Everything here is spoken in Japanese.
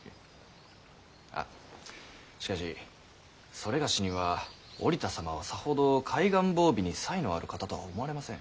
あしかし某には折田様はさほど海岸防備に才のある方とは思われません。